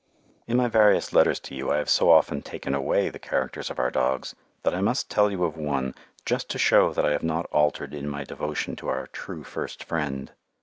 In my various letters to you I have so often taken away the characters of our dogs that I must tell you of one, just to show that I have not altered in my devotion to our "true first friend."